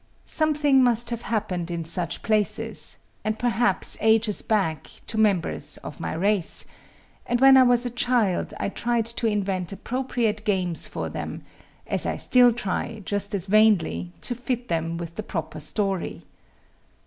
Something must have happened in such places, and perhaps ages back, to members of my race; and when I was a child I tried to invent appropriate games for them, as I still try, just as vainly, to fit them with the proper story.